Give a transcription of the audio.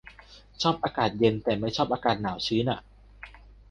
ชอบอากาศเย็น แต่ไม่ใช่อากาศหนาวชื้นอะ